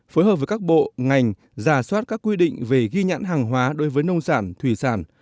phối hợp với các bộ ngành giả soát các quy định về ghi nhãn hàng hóa đối với nông sản thủy sản